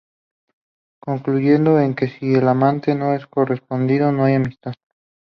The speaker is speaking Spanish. Concluyendo en que si el amante no es correspondido, no hay amistad.